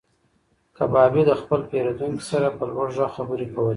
کبابي د خپل پیرودونکي سره په لوړ غږ خبرې کولې.